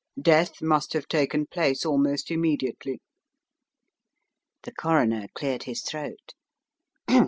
Death must have taken place almost immediately." The Coroner cleared his throat.